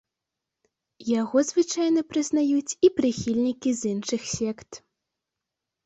Яго звычайна прызнаюць і прыхільнікі з іншых сект.